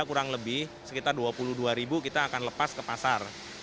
kurang lebih sekitar dua puluh dua ribu kita akan lepas ke pasar